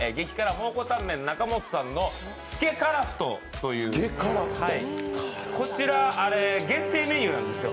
蒙古タンメン中本さんのつけ樺太という、こちら限定メニューなんですよ。